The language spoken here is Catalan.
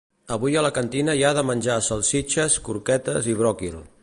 Avui a la cantina hi ha de menjar salsitxes, croquetes i bròquil.